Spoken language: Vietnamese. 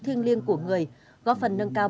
thiêng liêng của người góp phần nâng cao